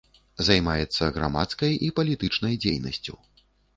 Займаецца грамадскай і палітычнай дзейнасцю.